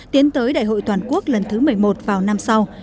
tiến tới đại hội toàn quốc lần thứ một mươi một vào năm sau